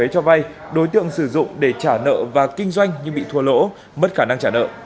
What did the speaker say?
chị đỗ thị huế cho vay đối tượng sử dụng để trả nợ và kinh doanh nhưng bị thua lỗ mất khả năng trả nợ